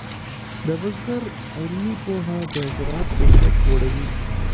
د بزګر علمي پوهه د زراعت کیفیت لوړوي.